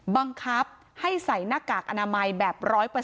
บังคับให้ใส่หน้ากากอนามัยแบบ๑๐๐